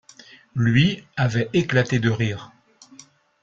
Lui, avait éclaté de rire.